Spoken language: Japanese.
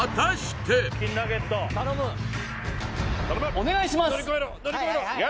お願いします